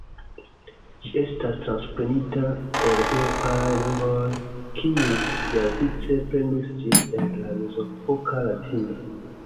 Ĝi estas transprenita el eŭropaj lingvoj, kiuj siavice prenis ĝin el la mezepoka latina.